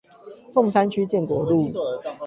鳳山區建國路